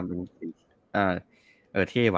เออเท่ว่ะ